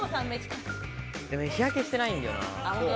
日焼けしてないんだよな。